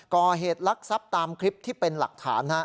ก่อเหตุลักษัพตามคลิปที่เป็นหลักฐาน